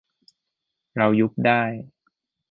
เรา ยุบได้